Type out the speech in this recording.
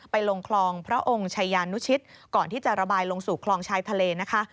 ลงคลองพระองค์ชายานุชิตก่อนที่จะระบายลงสู่คลองชายทะเลนะคะ